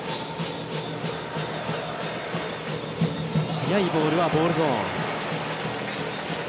速いボールはボールゾーン。